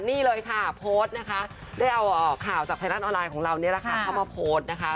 นี่เลยค่ะโพสต์นะคะได้เอาข่าวจากไทยรัฐออนไลน์ของเรานี่แหละค่ะเข้ามาโพสต์นะคะ